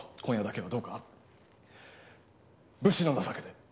今夜だけはどうか武士の情けで！